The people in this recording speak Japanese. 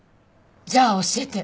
じゃあ教えて。